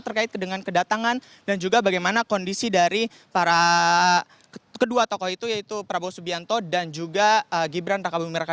terkait dengan kedatangan dan juga bagaimana kondisi dari para kedua tokoh itu yaitu prabowo subianto dan juga gibran raka buming raka